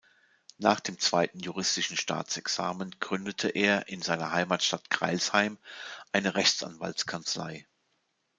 Nach dem zweiten juristischen Staatsexamen gründete er in seiner Heimatstadt Crailsheim eine Rechtsanwaltskanzlei.